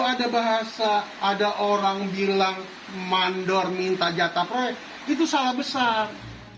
kalau ada bahasa ada orang bilang mandor minta jatah proyek itu salah besar